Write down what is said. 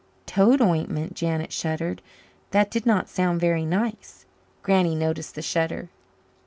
Toad ointment! Janet shuddered. That did not sound very nice. Granny noticed the shudder.